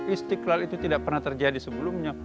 istiqlal itu tidak pernah terjadi sebelumnya